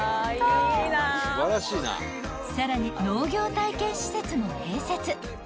［さらに農業体験施設も併設］